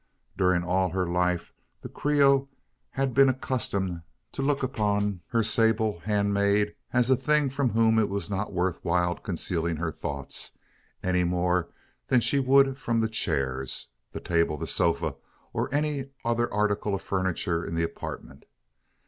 During all her life, the Creole had been accustomed to look upon her sable handmaid as a thing from whom it was not worth while concealing her thoughts, any more than she would from the chairs, the table, the sofa, or any other article of furniture in the apartment.